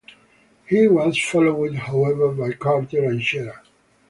He was followed, however, by Carter and Shiera.